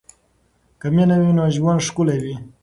که مینه وي نو ژوند ښکلی وي.